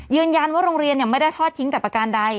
ยืนยันว่าโรงเรียนเนี่ยไม่ได้ทอดทิ้งกับประการใด